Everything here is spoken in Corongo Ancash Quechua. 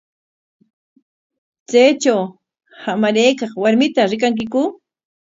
¿Chaytraw hamaraykaq warmita rikankiku?